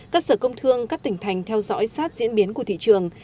các sở công thương các tỉnh thành theo dõi sát diễn biến của thị trường